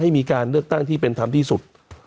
ให้มีการเลือกตั้งที่เป็นทางที่สุด